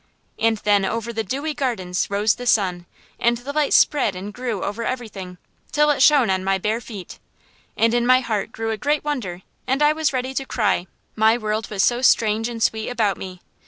And then over the dewy gardens rose the sun, and the light spread and grew over everything, till it shone on my bare feet. And in my heart grew a great wonder, and I was ready to cry, my world was so strange and sweet about me.